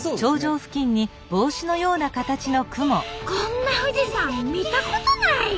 こんな富士山見たことない。